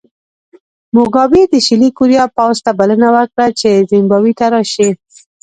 موګابي د شلي کوریا پوځ ته بلنه ورکړه چې زیمبابوې ته راشي.